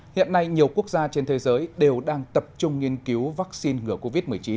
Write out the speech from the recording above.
hiện nay nhiều quốc gia trên thế giới đều đang tập trung nghiên cứu vaccine ngừa covid một mươi chín